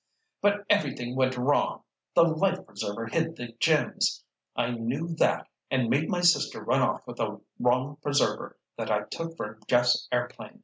"But everything went wrong. The life preserver hid the gems. I knew that, and made my sister run off with the wrong preserver, that I took from Jeff's airplane.